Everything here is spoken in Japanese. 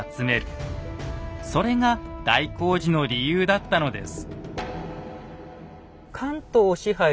それが大工事の理由だったのです。